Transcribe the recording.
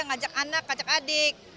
ngajak anak ngajak adik